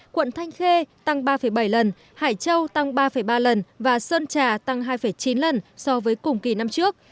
quận thanh khê tăng ba bảy lần hải châu tăng ba ba lần và sơn trà tăng hai chín lần so với cùng kỳ năm trước